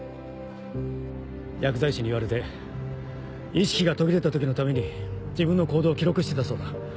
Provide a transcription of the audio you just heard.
薬剤師に言われて意識が途切れた時のために自分の行動を記録してたそうだ。